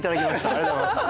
ありがとうございます。